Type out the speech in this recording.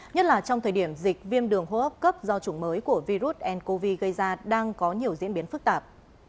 nhất là trong thời điểm dịch viêm đường hô hấp cấp do chủng mới của virus ncov gây ra đang có nhiều diễn biến phức tạp